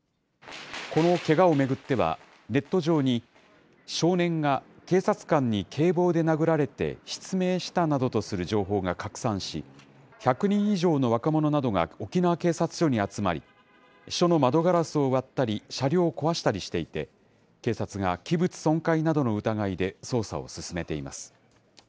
このけがを巡っては、ネット上に、少年が警察官に警棒で殴られて失明したなどとする情報が拡散し、１００人以上の若者などが沖縄警察署に集まり、署の窓ガラスを割ったり、車両を壊したりしていて、警察が器物損壊などの疑いで捜査を進めています。